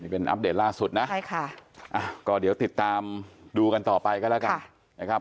เป็นอัปเดตล่าสุดนะก็เดี๋ยวติดตามดูกันต่อไปก็แล้วกัน